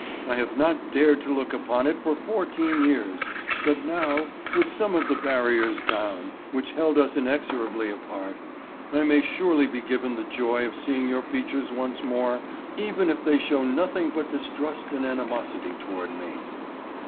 I have not dared to look upon it for fourteen years, but now, with some of the barriers down which held us inexorably apart, I may surely be given the joy of seeing your features once more, even if they show nothing but distrust and animosity toward me."